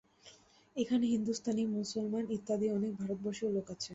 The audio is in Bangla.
এখানে হিন্দুস্থানী, মুসলমান ইত্যাদি অনেক ভারতবর্ষীয় লোক আছে।